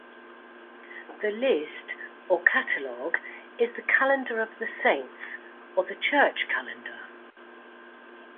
The list or catalog is the calendar of the saints or the church calendar.